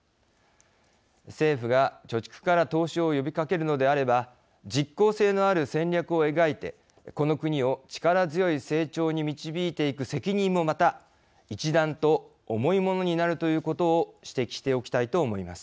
政府が貯蓄から投資を呼びかけるのであれば実効性のある戦略を描いてこの国を力強い成長に導いていく責任もまた一段と重いものになるということを指摘しておきたいと思います。